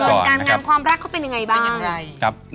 การบนการงามความรักเขาเป็นยังไงบ้าง